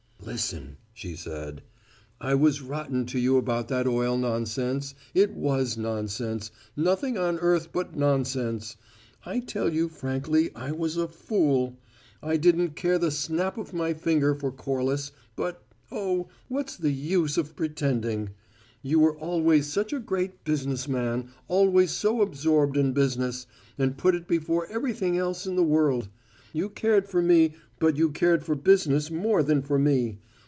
"Listen," she said. "I was rotten to you about that oil nonsense. It was nonsense, nothing on earth but nonsense. I tell you frankly I was a fool. I didn't care the snap of my finger for Corliss, but oh, what's the use of pretending? You were always such a great `business man,' always so absorbed in business, and put it before everything else in the world. You cared for me, but you cared for business more than for me.